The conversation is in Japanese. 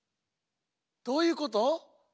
どういうこと？